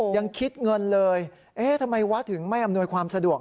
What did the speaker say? ยังคิดเงินเลยเอ๊ะทำไมวัดถึงไม่อำนวยความสะดวก